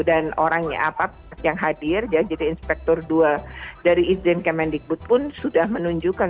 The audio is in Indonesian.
dan orangnya apa yang hadir ya jadi inspektur dua dari izin kemendikbud pun sudah menunjukkan